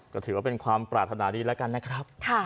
ก็ถือว่าเป็นความปรารถนาดีแล้วกันนะครับ